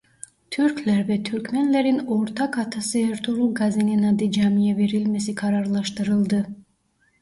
Türkler ve Türkmenlerin ortak atası Ertuğrul Gazi'nin adı camiye verilmesi kararlaştırıldı.